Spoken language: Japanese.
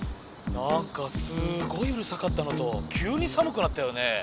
なんかすごいうるさかったのときゅうにさむくなったよね。